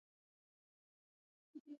طلا د افغانستان په طبیعت کې مهم رول لري.